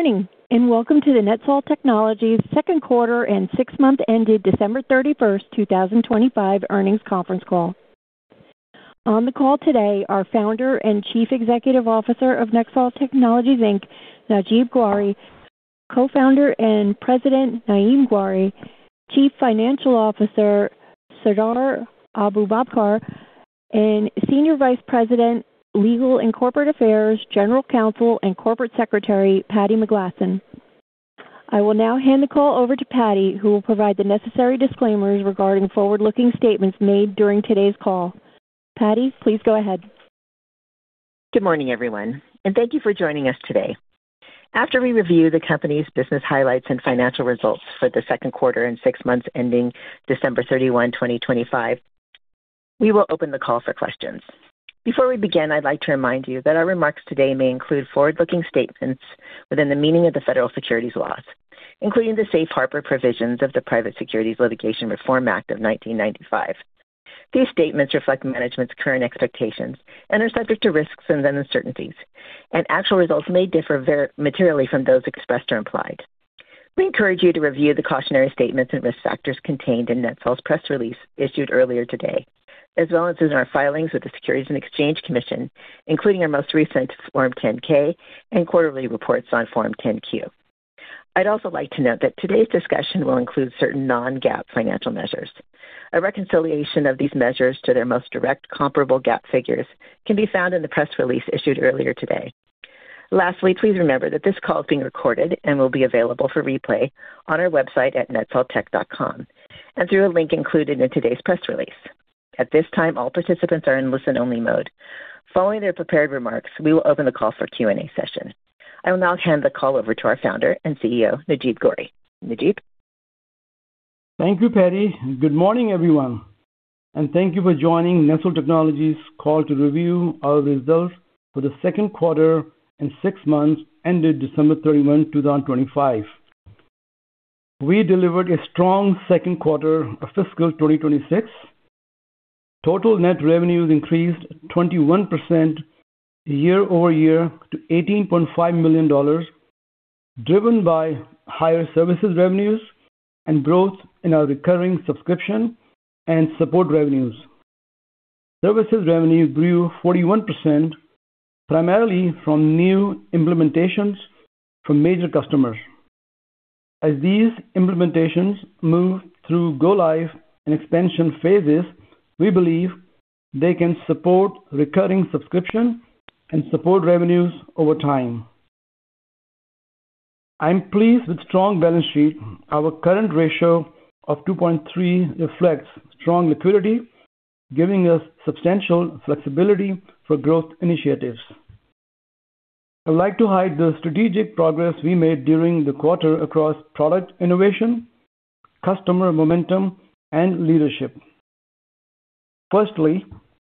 Good morning, and welcome to the NETSOL Technologies second quarter and six-month ended December 31, 2025 earnings conference call. On the call today are Founder and Chief Executive Officer of NETSOL Technologies Inc., Najeeb Ghauri, Co-founder and President, Naeem Ghauri, Chief Financial Officer, Sardar Abubakr, and Senior Vice President of Legal and Corporate Affairs, General Counsel, and Corporate Secretary, Patti McGlasson. I will now hand the call over to Patti, who will provide the necessary disclaimers regarding forward-looking statements made during today's call. Patti, please go ahead. Good morning, everyone, and thank you for joining us today. After we review the company's business highlights and financial results for the second quarter and six months ending December 31, 2025, we will open the call for questions. Before we begin, I'd like to remind you that our remarks today may include forward-looking statements within the meaning of the Federal Securities Laws, including the Safe Harbor Provisions of the Private Securities Litigation Reform Act of 1995. These statements reflect management's current expectations and are subject to risks and then uncertainties, and actual results may differ very materially from those expressed or implied. We encourage you to review the cautionary statements and risk factors contained in NETSOL's press release issued earlier today, as well as in our filings with the Securities and Exchange Commission, including our most recent Form 10-K and quarterly reports on Form 10-Q. I'd also like to note that today's discussion will include certain non-GAAP financial measures. A reconciliation of these measures to their most direct comparable GAAP figures can be found in the press release issued earlier today. Lastly, please remember that this call is being recorded and will be available for replay on our website at netsoltech.com, and through a link included in today's press release. At this time, all participants are in listen-only mode. Following their prepared remarks, we will open the call for Q&A session. I will now hand the call over to our founder and CEO, Najeeb Ghauri. Najeeb? Thank you, Patti, and good morning, everyone, and thank you for joining NETSOL Technologies call to review our results for the second quarter and six months ended December 31, 2025. We delivered a strong second quarter of fiscal 2026. Total net revenues increased 21% year over year to $18.5 million, driven by higher services revenues and growth in our recurring subscription and support revenues. Services revenues grew 41%, primarily from new implementations from major customers. As these implementations move through go-live and expansion phases, we believe they can support recurring subscription and support revenues over time. I am pleased with strong balance sheet. Our current ratio of 2.3 reflects strong liquidity, giving us substantial flexibility for growth initiatives. I'd like to highlight the strategic progress we made during the quarter across product innovation, customer momentum, and leadership. Firstly,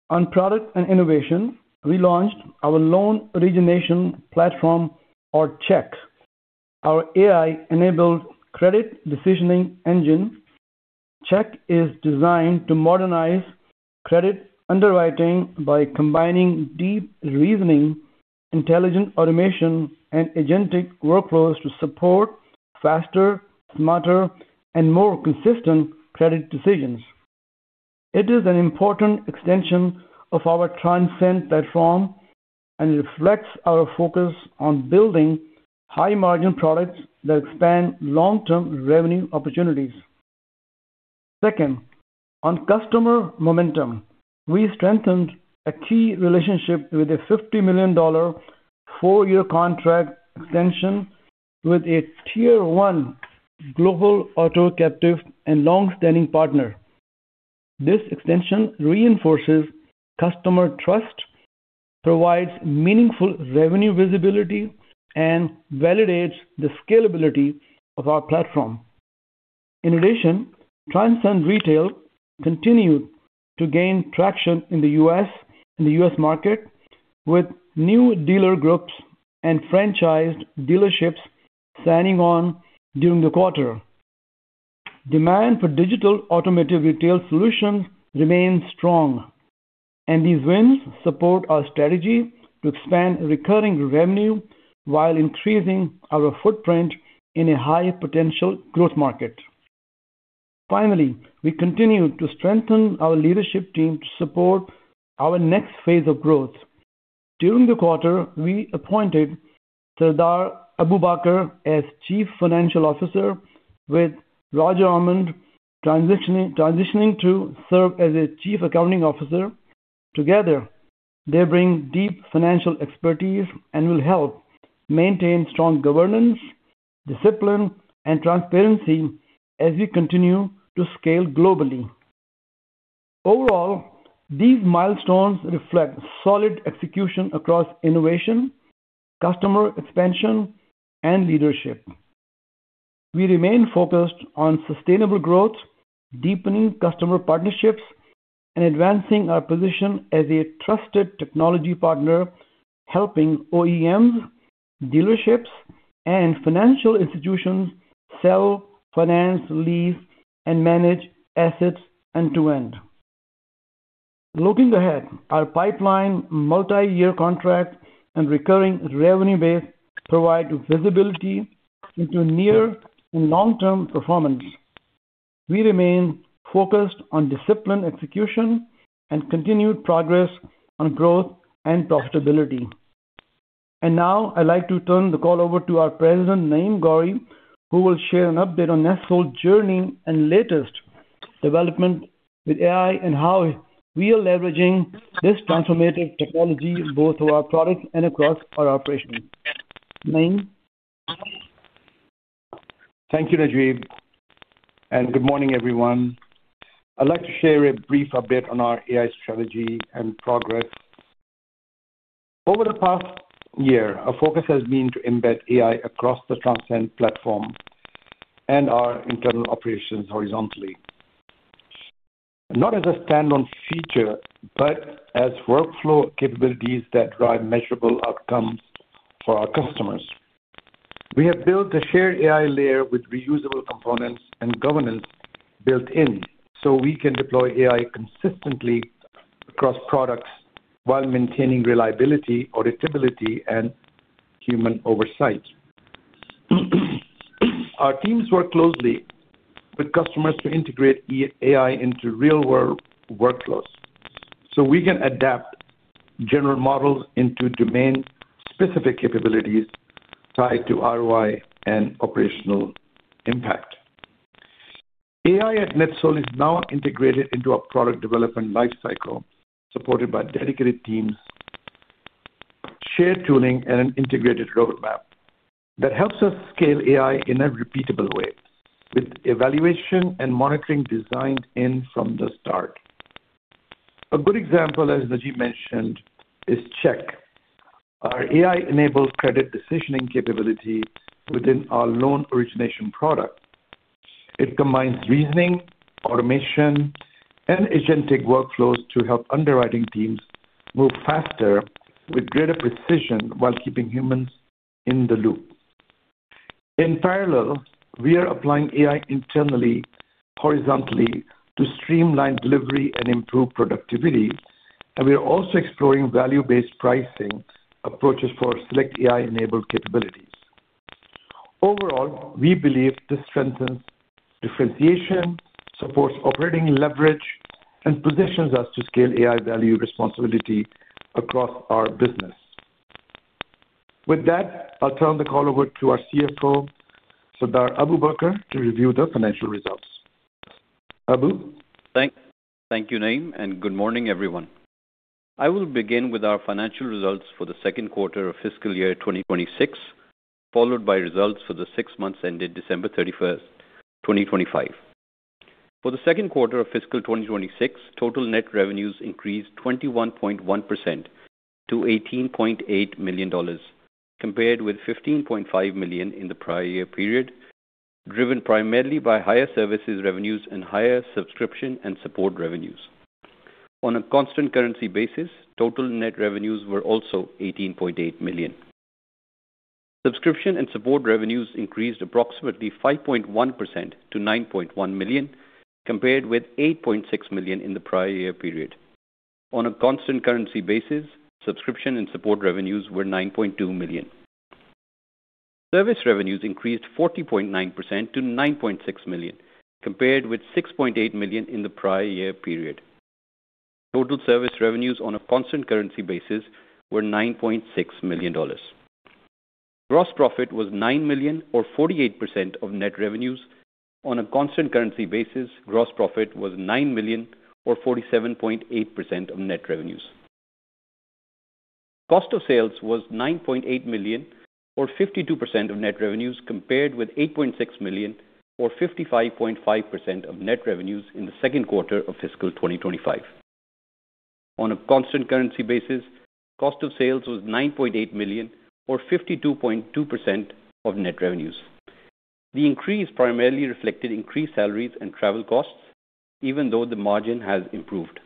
on product and innovation, we launched our loan origination platform, or Check, our AI-enabled credit decisioning engine. Check is designed to modernize credit underwriting by combining deep reasoning, intelligent automation, and agentic workflows to support faster, smarter, and more consistent credit decisions. It is an important extension of our Transcend platform and reflects our focus on building high-margin products that expand long-term revenue opportunities. Second, on customer momentum, we strengthened a key relationship with a $50 million four-year contract extension with a tier one global auto captive and long-standing partner. This extension reinforces customer trust, provides meaningful revenue visibility, and validates the scalability of our platform. In addition, Transcend Retail continued to gain traction in the U.S., in the U.S. market, with new dealer groups and franchised dealerships signing on during the quarter. Demand for digital automotive retail solutions remains strong, and these wins support our strategy to expand recurring revenue while increasing our footprint in a high-potential growth market. Finally, we continue to strengthen our leadership team to support our next phase of growth. During the quarter, we appointed Sardar Abubakr as Chief Financial Officer, with Roger Almond transitioning to serve as a Chief Accounting Officer. Together, they bring deep financial expertise and will help maintain strong governance, discipline, and transparency as we continue to scale globally. Overall, these milestones reflect solid execution across innovation, customer expansion, and leadership. We remain focused on sustainable growth, deepening customer partnerships, and advancing our position as a trusted technology partner, helping OEMs, dealerships, and financial institutions sell, finance, lease, and manage assets end-to-end. Looking ahead, our pipeline, multi-year contract and recurring revenue base provide visibility into near and long-term performance. We remain focused on disciplined execution and continued progress on growth and profitability. And now I'd like to turn the call over to our President, Naeem Ghauri, who will share an update on NETSOL journey and latest development with AI and how we are leveraging this transformative technology both through our products and across our operations. Naeem? Thank you, Najeeb, and good morning, everyone. I'd like to share a brief update on our AI strategy and progress. Over the past year, our focus has been to embed AI across the Transcend platform and our internal operations horizontally. Not as a stand-alone feature, but as workflow capabilities that drive measurable outcomes for our customers. We have built a shared AI layer with reusable components and governance built in, so we can deploy AI consistently across products while maintaining reliability, auditability, and human oversight. Our teams work closely with customers to integrate AI into real-world workflows, so we can adapt general models into domain-specific capabilities tied to ROI and operational impact. AI at NETSOL is now integrated into our product development lifecycle, supported by dedicated teams, shared tooling, and an integrated roadmap that helps us scale AI in a repeatable way, with evaluation and monitoring designed in from the start. A good example, as Najeeb mentioned, is Check, our AI-enabled credit decisioning capability within our loan origination product. It combines reasoning, automation, and agentic workflows to help underwriting teams move faster with greater precision while keeping humans in the loop. In parallel, we are applying AI internally, horizontally, to streamline delivery and improve productivity, and we are also exploring value-based pricing approaches for select AI-enabled capabilities. Overall, we believe this strengthens differentiation, supports operating leverage, and positions us to scale AI value responsibility across our business. With that, I'll turn the call over to our CFO, Sardar Abubakr, to review the financial results. Abu? Thank you, Naeem, and good morning, everyone. I will begin with our financial results for the second quarter of fiscal year 2026, followed by results for the six months ended December 31st, 2025. For the second quarter of fiscal 2026, total net revenues increased 21.1% to $18.8 million, compared with $15.5 million in the prior year period, driven primarily by higher services revenues and higher subscription and support revenues. On a constant currency basis, total net revenues were also $18.8 million. Subscription and support revenues increased approximately 5.1% to $9.1 million, compared with $8.6 million in the prior year period. On a constant currency basis, subscription and support revenues were $9.2 million. Service revenues increased 40.9% to $9.6 million, compared with $6.8 million in the prior year period. Total service revenues on a constant currency basis were $9.6 million. Gross profit was $9 million, or 48% of net revenues. On a constant currency basis, gross profit was $9 million, or 47.8% of net revenues. Cost of sales was $9.8 million, or 52% of net revenues, compared with $8.6 million, or 55.5% of net revenues in the second quarter of fiscal 2025. On a constant currency basis, cost of sales was $9.8 million, or 52.2% of net revenues. The increase primarily reflected increased salaries and travel costs, even though the margin has improved.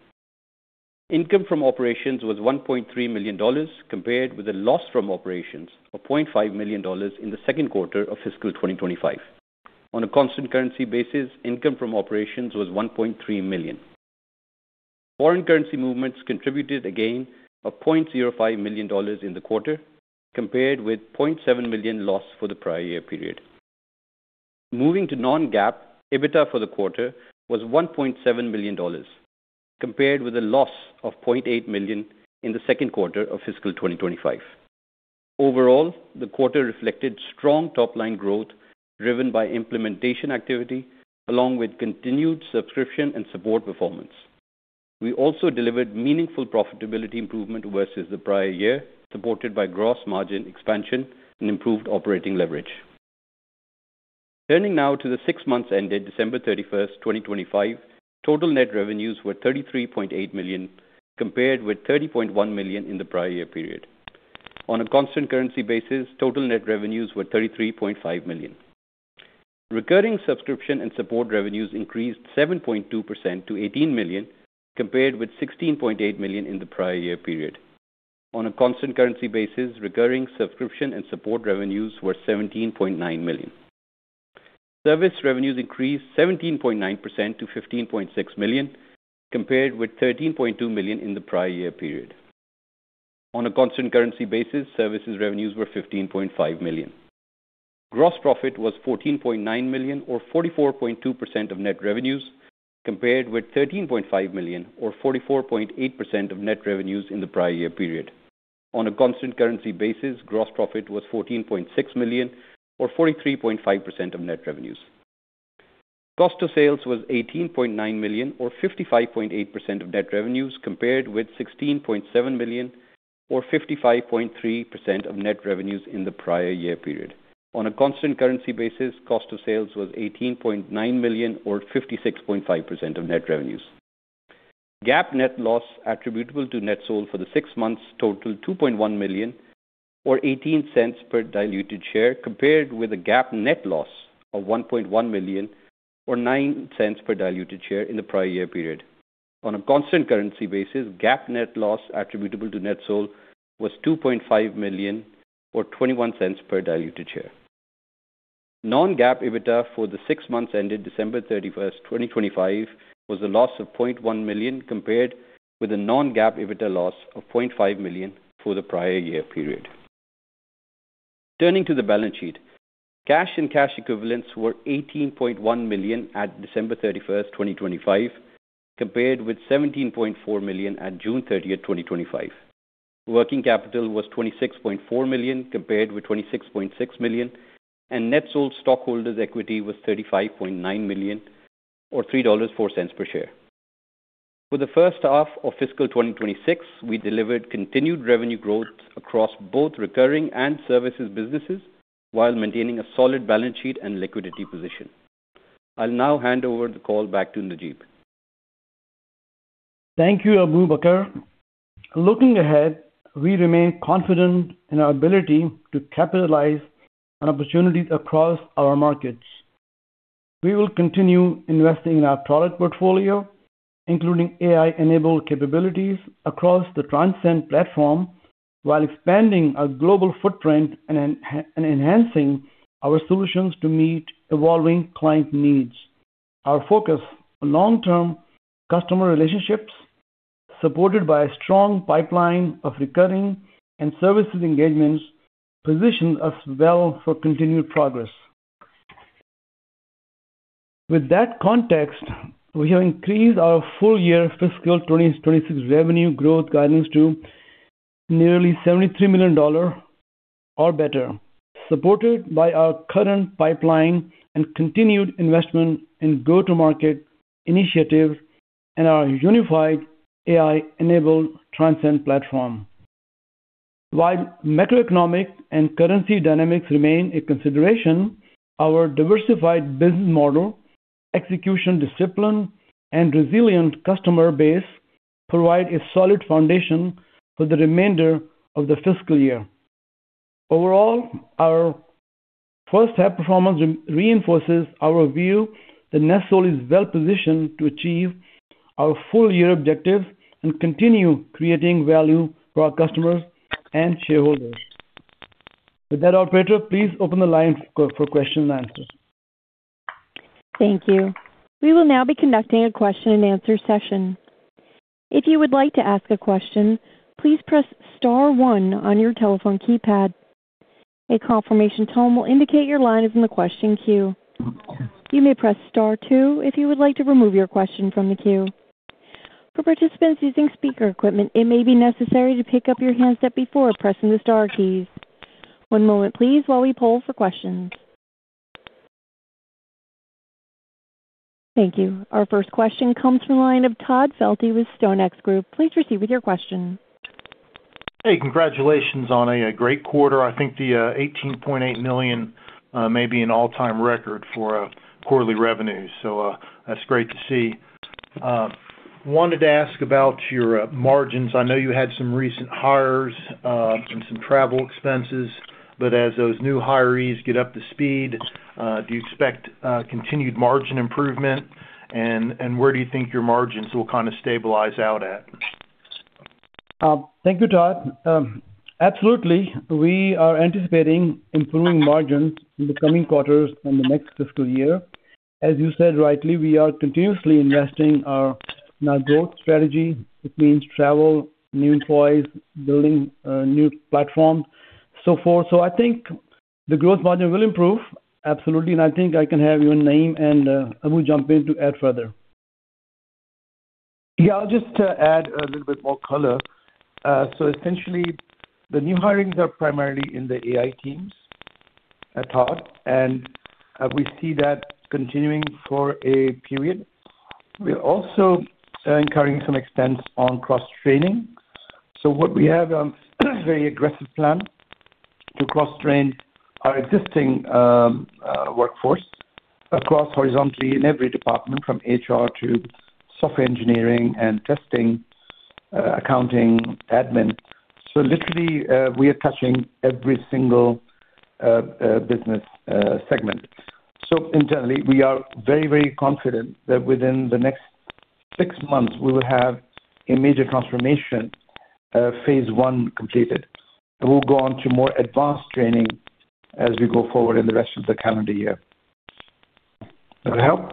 Income from operations was $1.3 million, compared with a loss from operations of $0.5 million in the second quarter of fiscal 2025. On a constant currency basis, income from operations was $1.3 million. Foreign currency movements contributed a gain of $0.05 million in the quarter, compared with $0.7 million loss for the prior year period. Moving to non-GAAP, EBITDA for the quarter was $1.7 million, compared with a loss of $0.8 million in the second quarter of fiscal 2025. Overall, the quarter reflected strong top-line growth, driven by implementation activity, along with continued subscription and support performance. We also delivered meaningful profitability improvement versus the prior year, supported by gross margin expansion and improved operating leverage. Turning now to the six months ended December 31st, 2025, total net revenues were $33.8 million, compared with $30.1 million in the prior year period. On a constant currency basis, total net revenues were $33.5 million. Recurring subscription and support revenues increased 7.2% to $18 million, compared with $16.8 million in the prior year period. On a constant currency basis, recurring subscription and support revenues were $17.9 million. Service revenues increased 17.9% to $15.6 million, compared with $13.2 million in the prior year period. On a constant currency basis, services revenues were $15.5 million. Gross profit was $14.9 million, or 44.2% of net revenues, compared with $13.5 million or 44.8% of net revenues in the prior year period. On a constant currency basis, gross profit was $14.6 million or 43.5% of net revenues. Cost of sales was $18.9 million, or 55.8% of net revenues, compared with $16.7 million or 55.3% of net revenues in the prior year period. On a constant currency basis, cost of sales was $18.9 million or 56.5% of net revenues. GAAP net loss attributable to NETSOL for the six months totaled $2.1 million, or $0.18 per diluted share, compared with a GAAP net loss of $1.1 million, or $0.09 per diluted share in the prior year period. On a constant currency basis, GAAP net loss attributable to NETSOL was $2.5 million, or $0.21 per diluted share. non-GAAP EBITDA for the six months ended December 31st, 2025, was a loss of $0.1 million, compared with a non-GAAP EBITDA loss of $0.5 million for the prior year period. Turning to the balance sheet, cash and cash equivalents were $18.1 million at December 31st, 2025, compared with $17.4 million at June 30th, 2025. Working capital was $26.4 million, compared with $26.6 million, and NETSOL's stockholders' equity was $35.9 million, or $3.04 per share. For the first half of fiscal 2026, we delivered continued revenue growth across both recurring and services businesses, while maintaining a solid balance sheet and liquidity position. I'll now hand over the call back to Najeeb. Thank you, Abubakr. Looking ahead, we remain confident in our ability to capitalize on opportunities across our markets. We will continue investing in our product portfolio, including AI-enabled capabilities across the Transcend platform, while expanding our global footprint and enhancing our solutions to meet evolving client needs. Our focus on long-term customer relationships, supported by a strong pipeline of recurring and services engagements, positions us well for continued progress. With that context, we have increased our full-year fiscal 2026 revenue growth guidance to nearly $73 million or better, supported by our current pipeline and continued investment in go-to-market initiatives and our unified AI-enabled Transcend platform. While macroeconomic and currency dynamics remain a consideration, our diversified business model, execution discipline, and resilient customer base provide a solid foundation for the remainder of the fiscal year. Overall, our first half performance reinforces our view that NETSOL is well positioned to achieve our full year objectives and continue creating value for our customers and shareholders. With that, operator, please open the line for question and answer. Thank you. We will now be conducting a question-and-answer session. If you would like to ask a question, please press star one on your telephone keypad. A confirmation tone will indicate your line is in the question queue. You may press star two if you would like to remove your question from the queue. For participants using speaker equipment, it may be necessary to pick up your handset before pressing the star keys. One moment please, while we poll for questions. Thank you. Our first question comes from the line of Todd Felty with StoneX Group. Please proceed with your question. Hey, congratulations on a great quarter. I think the $18.8 million may be an all-time record for quarterly revenue, so that's great to see. Wanted to ask about your margins. I know you had some recent hires and some travel expenses, but as those new hires get up to speed, do you expect continued margin improvement? And where do you think your margins will kind of stabilize out at? Thank you, Todd. Absolutely. We are anticipating improving margins in the coming quarters in the next fiscal year. As you said rightly, we are continuously investing our, in our growth strategy. It means travel, new employees, building a new platform, so forth. So I think the growth margin will improve. Absolutely, and I think I can have Naeem and, Abu jump in to add further. Yeah, I'll just add a little bit more color. So essentially, the new hirings are primarily in the AI teams, Todd, and we see that continuing for a period. We are also incurring some expense on cross-training. So what we have very aggressive plan to cross-train our existing workforce across horizontally in every department, from HR to software engineering and testing, accounting, admin. So literally, we are touching every single business segment. So internally, we are very, very confident that within the next six months, we will have a major transformation, phase one completed, and we'll go on to more advanced training as we go forward in the rest of the calendar year. Does that help?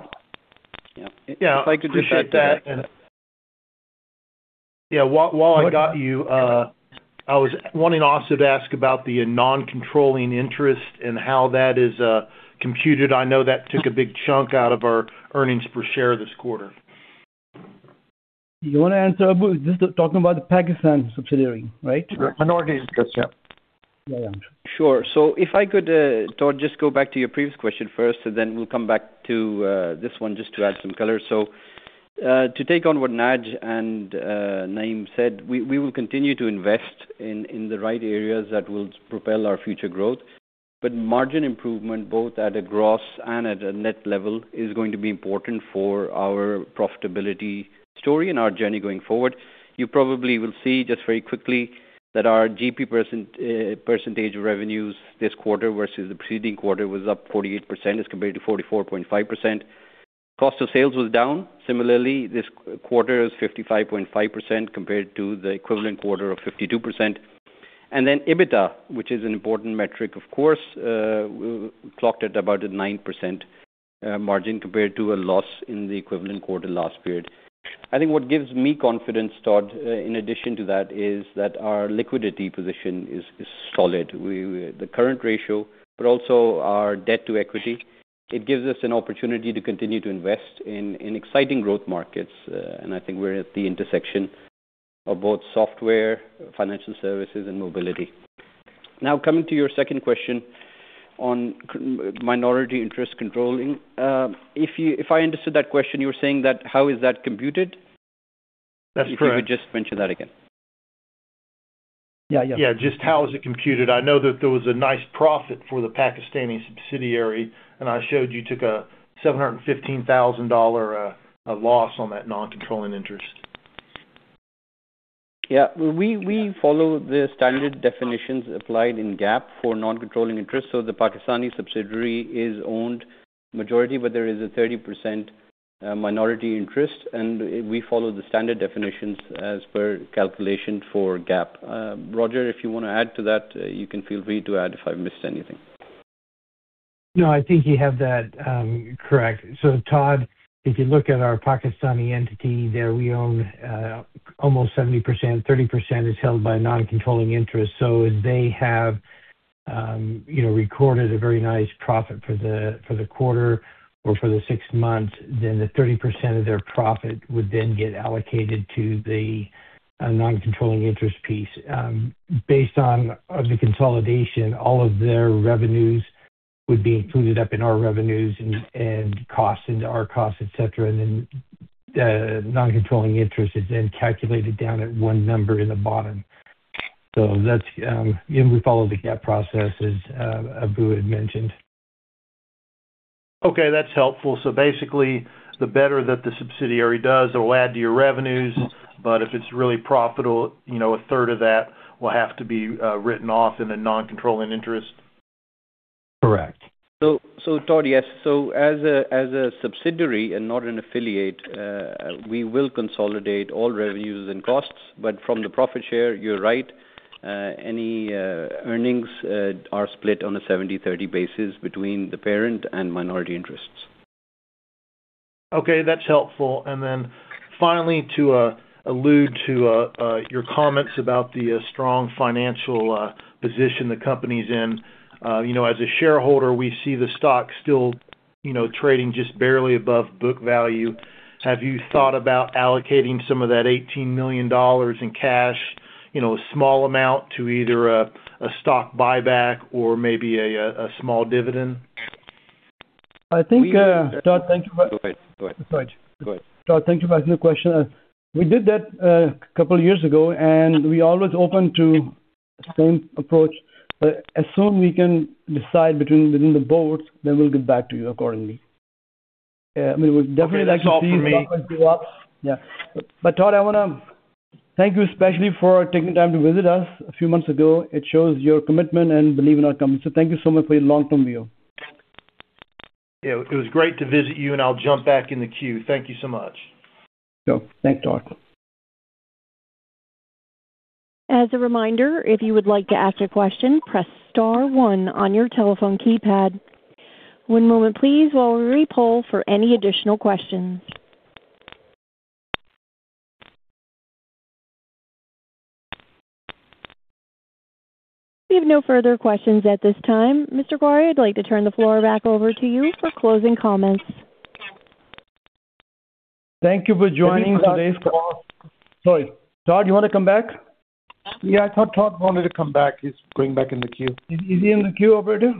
Yeah. Yeah, I'd like to appreciate that. And yeah, while I got you, I was wanting also to ask about the non-controlling interest and how that is computed. I know that took a big chunk out of our earnings per share this quarter. You wanna answer, Abu? Just talking about the Pakistan subsidiary, right? Minority interest, yeah. Yeah, yeah. Sure. So if I could, Todd, just go back to your previous question first, and then we'll come back to this one just to add some color. So, to take on what Naj and Naeem said, we, we will continue to invest in, in the right areas that will propel our future growth. But margin improvement, both at a gross and at a net level, is going to be important for our profitability story and our journey going forward. You probably will see, just very quickly, that our GP percent percentage of revenues this quarter versus the preceding quarter was up 48% as compared to 44.5%. Cost of sales was down. Similarly, this quarter is 55.5% compared to the equivalent quarter of 52%. And then EBITDA, which is an important metric, of course, clocked at about a 9% margin compared to a loss in the equivalent quarter last period. I think what gives me confidence, Todd, in addition to that, is that our liquidity position is, is solid. We, the current ratio, but also our debt to equity, it gives us an opportunity to continue to invest in, in exciting growth markets. And I think we're at the intersection of both software, financial services, and mobility. Now, coming to your second question on minority interest controlling. If I understood that question, you were saying that how is that computed? That's correct. If you could just mention that again. Yeah, yeah. Yeah, just how is it computed? I know that there was a nice profit for the Pakistani subsidiary, and I showed you took a $715,000 loss on that non-controlling interest. Yeah. We follow the standard definitions applied in GAAP for non-controlling interest. So the Pakistani subsidiary is owned majority, but there is a 30% minority interest, and we follow the standard definitions as per calculation for GAAP. Roger, if you wanna add to that, you can feel free to add if I missed anything. No, I think you have that correct. So, Todd, if you look at our Pakistani entity there, we own almost 70%. 30% is held by non-controlling interests, so they have, you know, recorded a very nice profit for the quarter or for the six months, then the 30% of their profit would then get allocated to the non-controlling interest piece. Based on the consolidation, all of their revenues would be included up in our revenues and costs into our costs, et cetera, and then the non-controlling interest is then calculated down at one number in the bottom. So that's, and we follow the GAAP processes Abu had mentioned. Okay, that's helpful. So basically, the better that the subsidiary does, it will add to your revenues, but if it's really profitable, you know, a third of that will have to be written off in a non-controlling interest? Correct. So, Todd, yes. So as a subsidiary and not an affiliate, we will consolidate all revenues and costs. But from the profit share, you're right. Any earnings are split on a 70/30 basis between the parent and minority interests. Okay, that's helpful. And then finally, to allude to your comments about the strong financial position the company's in. You know, as a shareholder, we see the stock still, you know, trading just barely above book value. Have you thought about allocating some of that $18 million in cash, you know, a small amount, to either a stock buyback or maybe a small dividend? I think, Todd, thank you very Go ahead. Go ahead. Sorry. Go ahead. Todd, thank you for your question. We did that couple years ago, and we're always open to same approach, but as soon as we can decide between, within the boards, then we'll get back to you accordingly. We would definitely like to see- Okay. That's all for me. Yeah. But Todd, I wanna thank you especially for taking the time to visit us a few months ago. It shows your commitment and belief in our company. So thank you so much for your long-term view. Yeah, it was great to visit you, and I'll jump back in the queue. Thank you so much. Thanks, Todd. As a reminder, if you would like to ask a question, press star one on your telephone keypad. One moment please, while we repoll for any additional questions. We have no further questions at this time. Mr. Ghauri, I'd like to turn the floor back over to you for closing comments. Thank you for joining today's call. Sorry, Todd, you want to come back? Yeah, I thought Todd wanted to come back. He's going back in the queue. Is he in the queue, operator?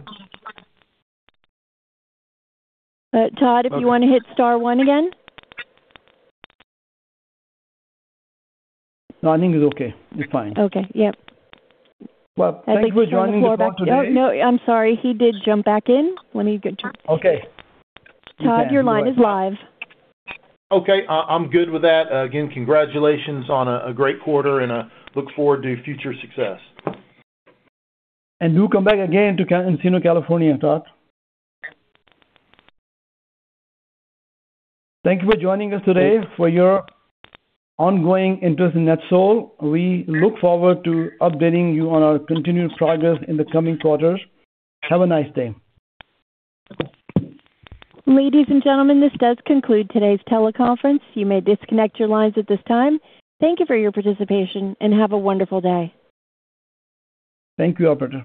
Todd, if you want to hit star one again. No, I think he's okay. He's fine. Okay. Yep. Well, thank you for joining us today. Oh, no, I'm sorry. He did jump back in. Let me get you. Okay. Todd, your line is live. Okay. I'm good with that. Again, congratulations on a great quarter, and I look forward to future success. Do come back again to Encino, California, Todd. Thank you for joining us today, for your ongoing interest in NETSOL. We look forward to updating you on our continued progress in the coming quarters. Have a nice day. Ladies and gentlemen, this does conclude today's teleconference. You may disconnect your lines at this time. Thank you for your participation, and have a wonderful day. Thank you, operator.